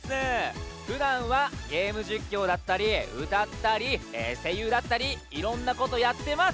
ふだんはゲーム実況だったり歌ったり声優だったりいろんなことやってます！